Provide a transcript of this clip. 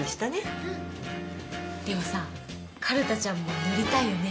でもさかるたちゃんも乗りたいよね？